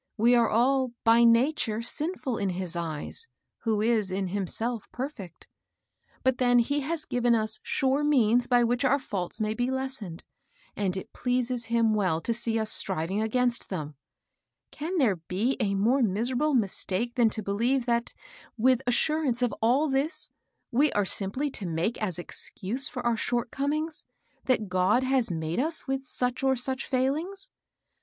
We are all, by nature, sinful in his eyes, who is, in himself, perfect ; but then he has given us sure means by which our faults may be les sened, and it pleases him well to see us striving against them. Can there be a more miserable mistake than to believe, that, with assurance of all HILDA. 83 this, we are simply to make as excuse for our short comings, that God has made us with such or such feiilings